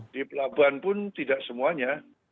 di pelabuhan pun tidak semuanya